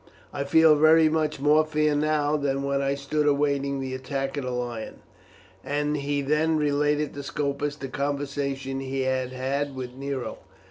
I feel very much more fear now than when I stood awaiting the attack of the lion." And he then related to Scopus the conversation he had had with Nero.